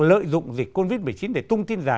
lợi dụng dịch covid một mươi chín để tung tin giả